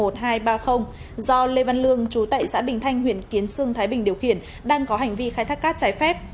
do lê văn lương chú tại xã bình thanh huyện kiến sương thái bình điều khiển đang có hành vi khai thác cát trái phép